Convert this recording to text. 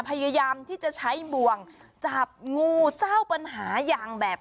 พยายามที่จะใช้บ่วงจับงูเจ้าปัญหายางแบบ